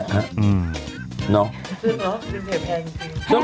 มันไม่แพงจริง